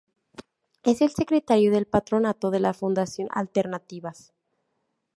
Es el secretario del patronato de la Fundación Alternativas.